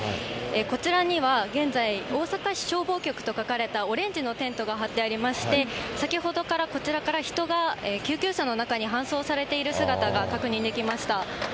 こちらには、現在、大阪市消防局と書かれたオレンジのテントが張ってありまして、先ほどから、こちらから人が救急車の中に搬送されている姿が確認できました。